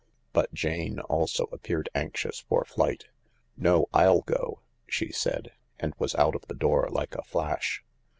But Jane also appeared anxious for flight. 14 No — I'll go," she said, and was out of the door like a flash.